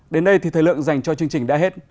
đến đây thì thời lượng dành cho chương trình đã hết